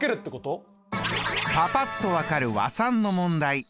パパっと分かる和算の問題